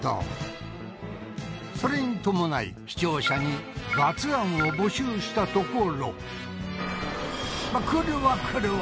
それに伴い視聴者に罰案を募集したところ来るわ来るわ！